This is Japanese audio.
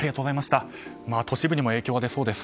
都市部にも影響が出そうです。